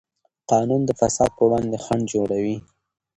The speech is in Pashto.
قانون د فساد پر وړاندې خنډ جوړوي.